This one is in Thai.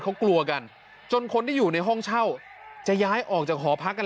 เขากลัวกันจนคนที่อยู่ในห้องเช่าจะย้ายออกจากหอพักกัน